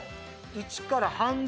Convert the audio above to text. １から半分？